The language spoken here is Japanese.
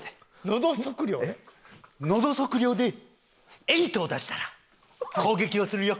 のど測量で８を出したら攻撃をするよ。